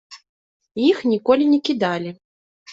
Іх ніколі не кідалі.